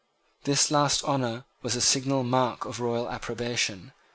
This last honour was a signal mark of royal approbation.